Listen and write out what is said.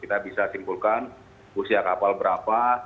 kita bisa simpulkan usia kapal berapa